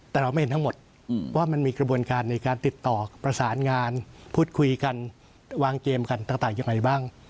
แต่เราไม่เห็นทั้งหมดว่ามันมีกระบวนการในการติดต่อประสานงานพูดคุยกันวางเกมกันต่างยังไงบ้าง